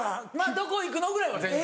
「どこ行くの？」ぐらいは全然。